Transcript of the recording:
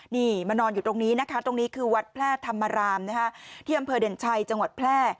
นี่มานอนอยู่ตรงนี้นะคะตรงนี้คือวัดแพร่ธรรมรามนะคะ